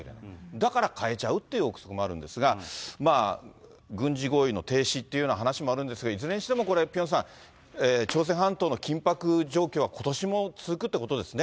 だから変えちゃうという臆測もあるんですが、軍事合意の停止っていうような話もあるんですが、いずれにしてもこれ、ピョンさん、朝鮮半島の緊迫状況は、ことしも続くということですね。